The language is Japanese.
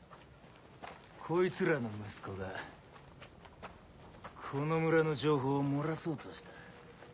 こいつらの息子がこの村の情報を漏らそうとした。